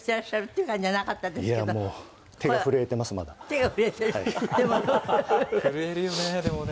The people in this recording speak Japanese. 震えるよねでもね。